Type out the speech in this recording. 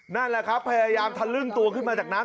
นั่นแหละครับพยายามทะลึ่งตัวขึ้นมาจากน้ำ